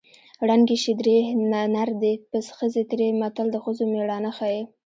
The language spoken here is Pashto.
ړنګې شې درې نر دې پڅ ښځې تېرې متل د ښځو مېړانه ښيي